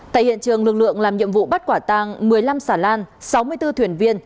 tại hiện trường lực lượng làm nhiệm vụ bắt quả tàng một mươi năm sản lan sáu mươi bốn thuyền viên